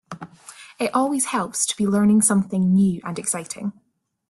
It always helps to be learning something new and exciting.